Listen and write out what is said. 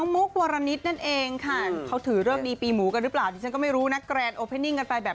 มุหวานนะคะเป็นแฟนเอก